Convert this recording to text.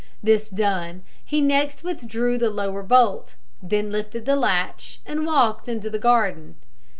This done, he next withdrew the lower bolt; then lifted the latch, and walked into the garden.